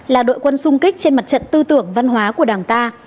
là đội quân sung kích trên mặt trận tư tưởng văn hóa của đảng ta